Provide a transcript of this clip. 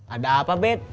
ada apa bet